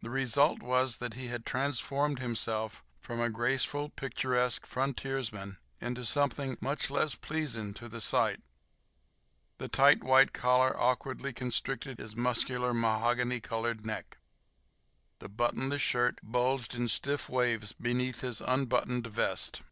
The result was that he had transformed himself from a graceful, picturesque frontiersman into something much less pleasing to the sight. The tight white collar awkwardly constricted his muscular, mahogany colored neck. The buttonless shirt bulged in stiff waves beneath his unbuttoned vest.